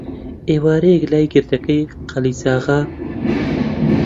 ئێوارەیەک، لای گردەکەی قالیچاغا،